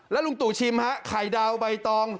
ลุงตู่ชิมฮะไข่ดาวใบตอง